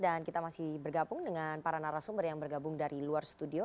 dan kita masih bergabung dengan para narasumber yang bergabung dari luar studio